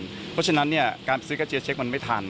เพราะฉะนั้นการซื้อกระเจียเช็คมันไม่ทัน